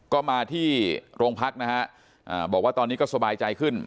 ก็มาที่โรงพักนะฮะบอกว่าตอนนี้ก็สบายใจขึ้น